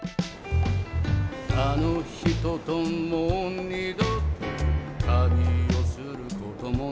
「あの女ともう二度と旅をすることもない」